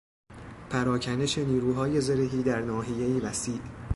پراکنش نیروهای زرهی در ناحیهای وسیع